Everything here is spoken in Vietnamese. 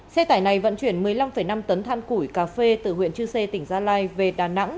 xe tải này vận chuyển một mươi năm năm tấn than củi cà phê từ huyện chư sê tỉnh gia lai về đà nẵng